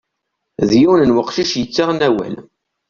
D yiwen n uqcic yettaɣen awal.